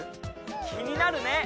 気になるね！